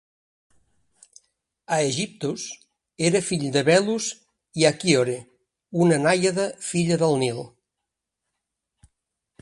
Aegyptos era fill de Belus i Achiroe, una nàiada filla del Nil.